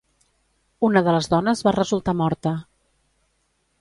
Una de les dones va resultar morta.